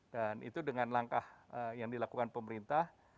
dan itu dengan langkah yang dilakukan pemerintah